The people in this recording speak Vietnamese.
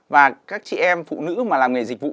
và các chị em phụ nữ mà làm nghề dịch vụ